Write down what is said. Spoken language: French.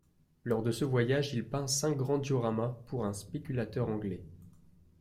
Lors de ce voyage, il peint cinq grands dioramas pour un spéculateur anglais.